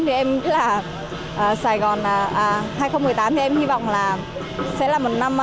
thì em nghĩ là sài gòn hai nghìn một mươi tám thì em hy vọng là sẽ là một năm